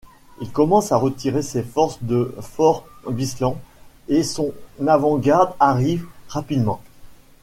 Il commence à retirer ses forces de fort Bisland, et son avant-garde arrive rapidement.